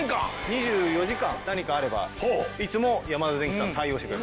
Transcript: ２４時間何かあればいつでもヤマダデンキさん対応してくれます。